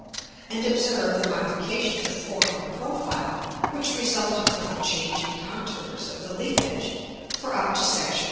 and observe the modifications of form of profile which resulted from the changing contours of the leafage; for up to § XIII.